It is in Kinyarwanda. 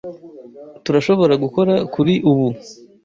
Turashobora gukora kuri ubu.